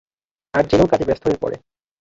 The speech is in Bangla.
আর জেনও কাজে ব্যস্ত হয়ে পড়ে।